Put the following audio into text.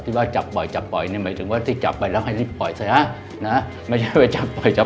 ที่ว่าจับป่อยจับป่อยหมายถึงว่าที่จับไปแล้วให้รีบป่อยซะ